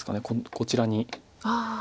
こちらに。